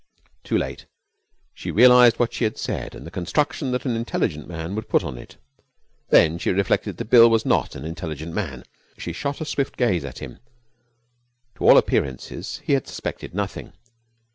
Too late she realized what she had said and the construction that an intelligent man would put on it. Then she reflected that Bill was not an intelligent man. She shot a swift glance at him. To all appearances he had suspected nothing.